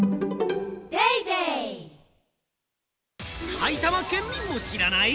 埼玉県見も知らない！？